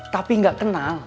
tapi gak kenal